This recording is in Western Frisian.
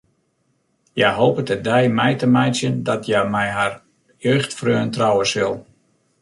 Hja hopet de dei mei te meitsjen dat hja mei har jeugdfreon trouwe sil.